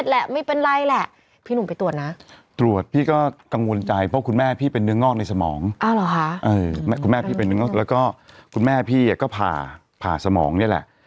แล้วก็มันแม่พี่อะก็ผ่าสมองนี่แหละ